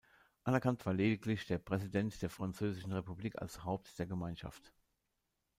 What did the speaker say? Anerkannt war lediglich der Präsident der Französischen Republik als Haupt der Gemeinschaft.